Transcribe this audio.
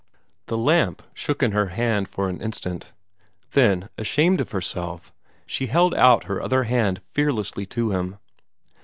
The lamp shook in her hand for an instant. Then, ashamed of herself, she held out her other hand fearlessly to him.